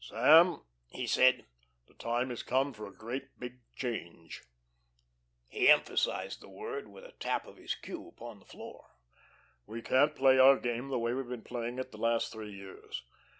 "Sam," he said, "the time is come for a great big change." He emphasised the word with a tap of his cue upon the floor. "We can't play our game the way we've been playing it the last three years.